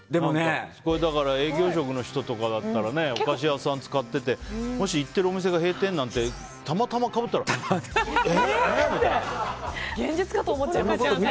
営業職の人とかだったらお菓子屋さん使っててもし行っているお店が閉店なんてたまたま、かぶったら現実かと思っちゃいますね。